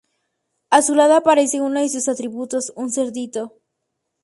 A su lado, aparece uno de sus atributos: un cerdito.